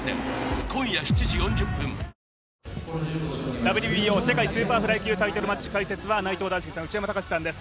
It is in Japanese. ＷＢＯ世界スーパーフライ級タイトルマッチ解説は内藤大助さん、内山高志さんです。